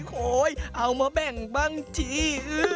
โอ๊ยเอามาแบ่งบางที